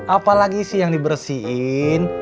apalagi sih yang dibersihin